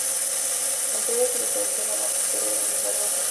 Entre ellas se diferencian en la apertura y el lugar de articulación.